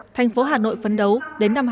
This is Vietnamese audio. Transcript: tp hà nội phấn đấu đến năm hai nghìn ba mươi